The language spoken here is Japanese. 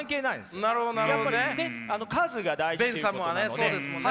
そうですもんね。